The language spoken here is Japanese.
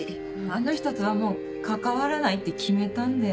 あの人とはもう関わらないって決めたんで。